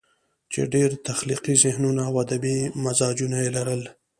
چې ډېر تخليقي ذهنونه او ادبي مزاجونه ئې لرل